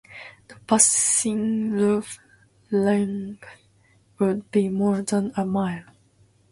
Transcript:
The passing loop length would be more than a mile.